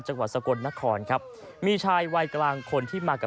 จังหวัดสกลนครครับมีชายวัยกลางคนที่มากับ